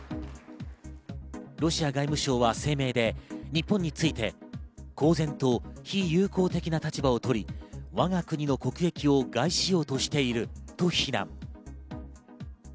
ロシア外務省は声明で、日本について公然と非友好的な立場をとり、我が国の国益を害しようとしていると非難。